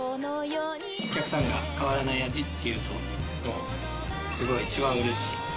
お客さんが変わらない味と言うと、すごい一番うれしい。